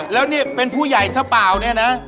แล้วเนี่ยเป็นผู้ใหญ่ซะเปล่าเนี่ยนะ